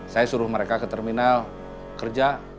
saya suruh mereka ke terminal kerja